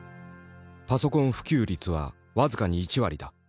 「パソコン普及率は僅かに１割だ。